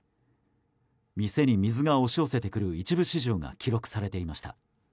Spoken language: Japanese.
店に水が押し寄せてくる一部始終が記録されていました。